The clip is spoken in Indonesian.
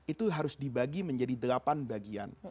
itu harus dibagi menjadi delapan bagian